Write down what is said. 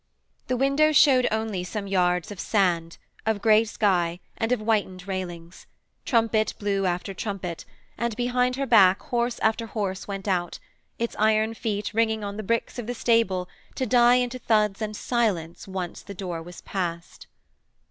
The window showed only some yards of sand, of grey sky and of whitened railings; trumpet blew after trumpet, and behind her back horse after horse went out, its iron feet ringing on the bricks of the stable to die into thuds and silence once the door was passed.